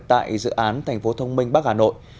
tại dự án thành phố thông minh bắc hà nội